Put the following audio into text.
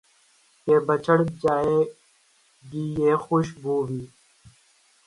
کہ بچھڑ جائے گی یہ خوش بو بھی